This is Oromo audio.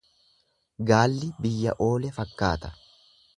Gaalli biyya oole fakkaata.